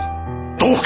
どうか！